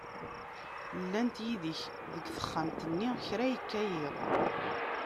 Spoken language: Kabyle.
Llant yid-i deg texxamt-nni, kra yekka yiḍ.